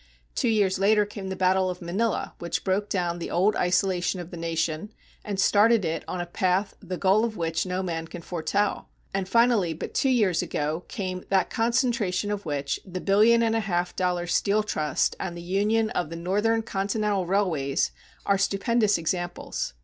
Two years later came the battle of Manila, which broke down the old isolation of the nation, and started it on a path the goal of which no man can foretell; and finally, but two years ago came that concentration of which the billion and a half dollar steel trust and the union of the Northern continental railways are stupendous examples.